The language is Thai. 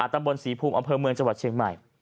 ตำบลศรีภูมิอำเภอเมืองจังหวัดเชียงใหม่